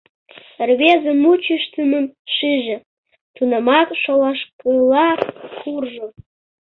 Рвезе мучыштымым шиже, тунамак шолашкыла куржо.